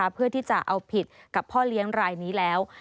เพื่อที่จะเอาผิดกับพ่อเลี้ยงรายนี้แล้ว